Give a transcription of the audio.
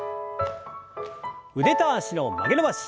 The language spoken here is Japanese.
腕と脚の曲げ伸ばし。